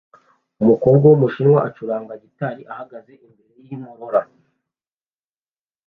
Umukobwa wumushinwa ucuranga gitari ahagaze imbere yinkorora